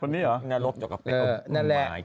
นี่หรอ